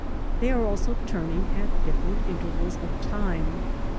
They are also turning at different intervals of time.